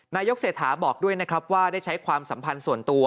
นายกเศรษฐาบอกด้วยนะครับว่าได้ใช้ความสัมพันธ์ส่วนตัว